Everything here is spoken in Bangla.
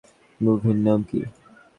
মুভির নাম কী?